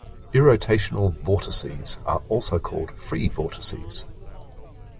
Irrotational vortices are also called "free vortices".